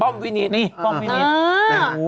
ป้อมวินีนี่ป้อมวินี